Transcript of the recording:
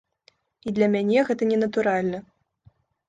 І для мяне гэта ненатуральна.